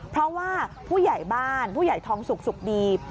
เพราะว่าผู้ใหญ่บ้านผู้ใหญ่ทองสุกสุขดี